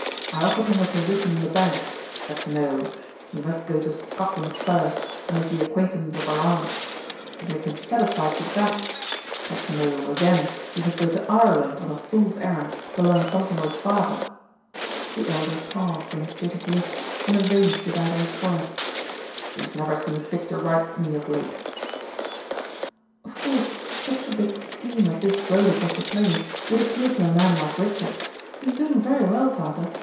I offered him a position in the bank, but no he must go to Scotland first to make the acquaintance of our aunts. If he had been satisfied with that! But no, again, he must go to Ireland on a fool's errand to learn something of his father." The Elder paused and bit his lip, and a vein stood out on his forehead. "He's never seen fit to write me of late." "Of course such a big scheme as this road across the plains would appeal to a man like Richard. He's doing very well, father.